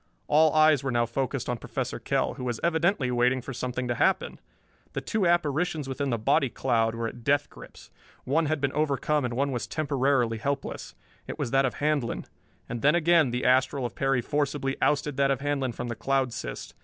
All eyes were now focused on Professor Kell, who was evidently waiting for something to happen. The two apparitions within the body cloud were at death grips. One had been overcome and was temporarily helpless. It was that of Handlon. And then again the astral of Perry forcibly ousted that of Handlon from the cloud cyst.